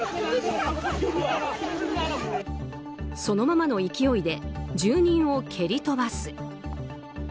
そのままの勢いで住人を蹴り飛ばす。